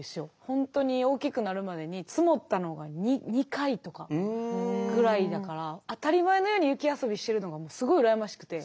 本当に大きくなるまでに積もったのが２回とかくらいだから当たり前のように雪遊びしてるのがすごい羨ましくて。